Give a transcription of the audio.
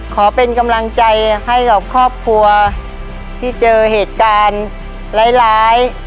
ขอเป็นกำลังใจให้กับครอบครัวที่เจอเหตุการณ์ร้าย